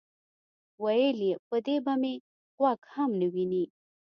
ویل یې: په دې به مې غوږ هم نه وینئ.